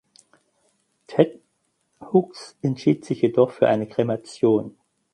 Ted Hughes entschied sich jedoch für eine Kremation.